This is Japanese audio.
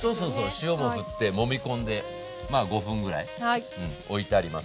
塩もふってもみ込んでまあ５分ぐらいおいてあります。